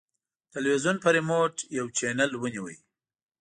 تلویزیون په ریموټ یو چینل ونیو.